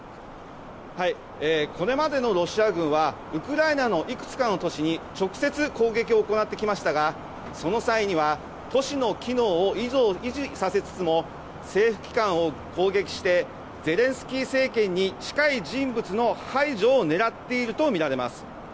これまでのロシア軍はウクライナのいくつかの都市に直接、攻撃を行ってきましたがその際には都市の機能を維持させつつも政府機関を攻撃してゼレンスキー政権に近い人物の排除を狙っているとみられます。